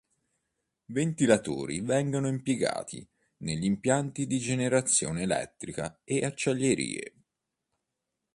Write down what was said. Ventilatori vengono impiegati negli impianti di generazione elettrica e acciaierie.